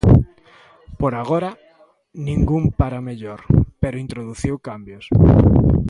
Por agora, ningún para mellor, pero introduciu cambios.